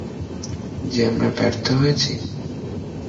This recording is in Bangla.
যে আমরা ব্যর্থ হয়েছি?